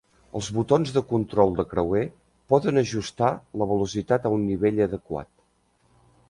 Els botons de control de creuer poden ajustar la velocitat a un nivell adequat.